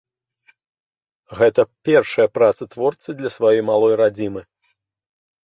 Гэта першая праца творцы для сваёй малой радзімы.